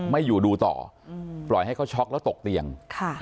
ไม่อยู่ดูต่ออืมปล่อยให้เขาช็อกแล้วตกเตียงค่ะ